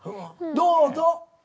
どうぞ。